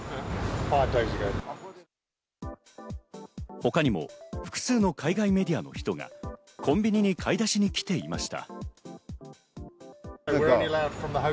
他にも複数の海外メディアの人がコンビニに買い出しに来ていました。